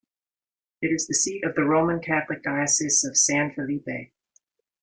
It is the seat of the Roman Catholic Diocese of San Felipe.